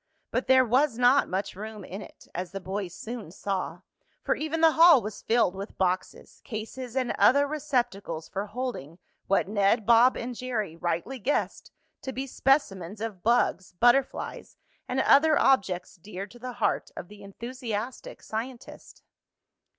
But there was not much room in it, as the boys soon saw, for even the hall was filled with boxes, cases and other receptacles for holding what Ned, Bob and Jerry rightly guessed to be specimens of bugs, butterflies and other objects dear to the heart of the enthusiastic scientist.